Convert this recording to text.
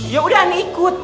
yaudah ane ikut